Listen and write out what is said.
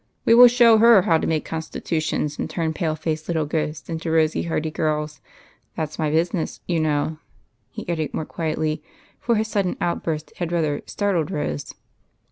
We will show her how to make constitutions and turn pale faced little ghosts into rosy, hearty girls. That 's my business, you know," he added, more quietly, for his sudden outburst had rather startled Rose.